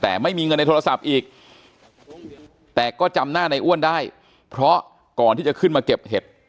แต่ไม่มีเงินในโทรศัพท์อีกแต่ก็จำหน้าในอ้วนได้เพราะก่อนที่จะขึ้นมาเก็บเห็ด